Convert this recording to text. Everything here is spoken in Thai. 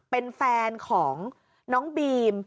เป็นแฟนของน้องบีม